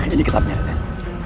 ini kitabnya erlen